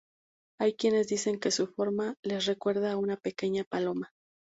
Hay quienes dicen que su forma les recuerda a una pequeña paloma.